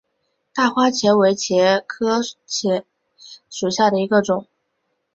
大花茄为茄科茄属下的一个种。